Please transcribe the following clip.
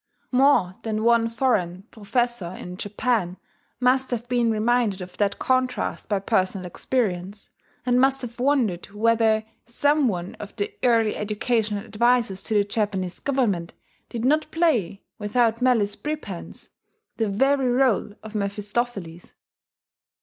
More than one foreign professor in Japan must have been reminded of that contrast by personal experience, and must have wondered whether some one of the early educational advisers to the Japanese Government did not play, without malice prepense, the very role of Mephistopheles....